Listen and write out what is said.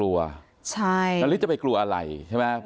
ป้าอันนาบอกว่าตอนนี้ยังขวัญเสียค่ะไม่พร้อมจะให้ข้อมูลอะไรกับนักข่าวนะคะ